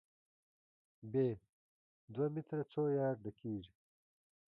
ب: دوه متره څو یارډه کېږي؟